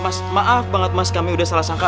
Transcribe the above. mas maaf banget mas kami udah salah sangka